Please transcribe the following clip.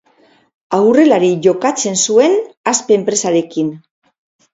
Aurrelari jokatzen zuen, Aspe enpresarekin.